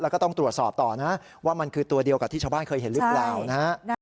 แล้วก็ต้องตรวจสอบต่อนะว่ามันคือตัวเดียวกับที่ชาวบ้านเคยเห็นหรือเปล่านะฮะ